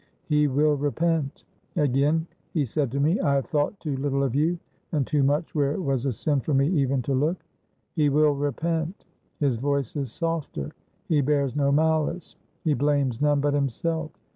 He will repent. Again he said to me, I have thought too little of you, and too much where it was a sin for me even to look.' He will repent his voice is softer he bears no malice he blames none but himself.